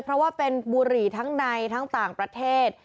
เพราะว่าเป็นบุหรี่ทั้งในทั้งต่างประเทศ